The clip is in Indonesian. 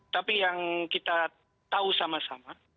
tapi yang kita tahu sama sama